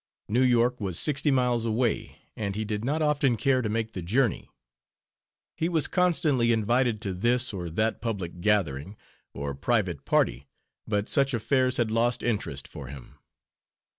New York was sixty miles away and he did not often care to make the journey. He was constantly invited to this or that public gathering, or private party, but such affairs had lost interest for him.